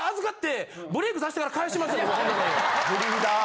ブリーダー。